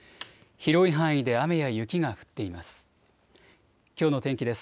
広い範囲で雨や雪が降っています。